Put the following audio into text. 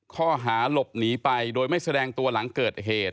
ข้อหาหลบหนีไปโดยไม่แสดงตัวหลังเกิดเหตุ